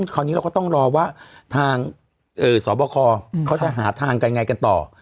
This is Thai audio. คราวนี้เราก็ต้องรอว่าทางสบคเขาจะหาทางกันไงกันต่อ